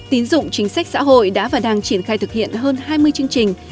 tín dụng chính sách xã hội đã và đang triển khai thực hiện hơn hai mươi chương trình